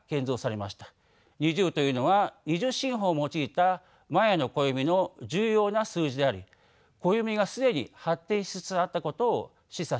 ２０というのは２０進法を用いたマヤの暦の重要な数字であり暦が既に発展しつつあったことを示唆します。